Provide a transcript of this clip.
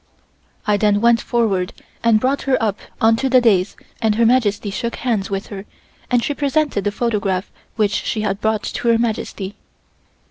I then went forward and brought her up onto the dais and Her Majesty shook hands with her and she presented the photograph which she had brought to Her Majesty.